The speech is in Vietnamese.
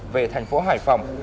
về thành phố hải phòng